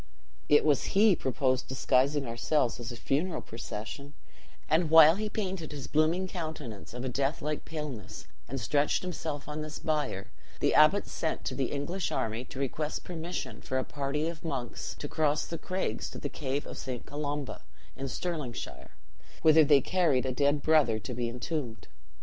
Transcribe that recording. It was he proposed disguising ourselves as a funeral procession; and while he painted his blooming countenance of a death like paleness and stretched himself on this bier, the abbot sent to the English army to request permission for a party of monks to cross the craigs to the cave of St. Colomba, in Stirlingshire, whither they carried a dead brother to be entombed.